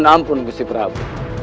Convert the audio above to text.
mohon ampun gusti prabu